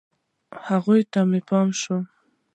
هغوی ته مې پام شو.